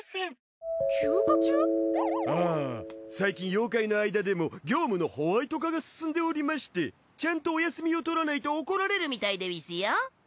あ最近妖怪の間でも業務のホワイト化が進んでおりましてちゃんとお休みを取らないと怒られるみたいでうぃすよ。